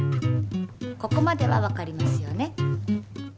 ここまではわかりますよね？